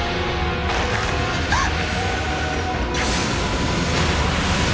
あっ！